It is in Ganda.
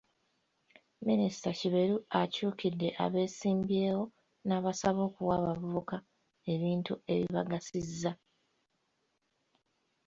Minisita Kiberu akyukidde abeesimbyewo n'abasaba okuwa abavubuka ebintu ebibagasiza